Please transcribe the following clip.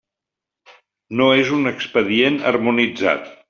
No és un expedient harmonitzat.